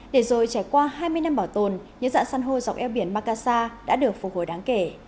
để rồi trải qua hai mươi năm bảo tồn những dạng san hô dọc eo biển macas đã được phục hồi đáng kể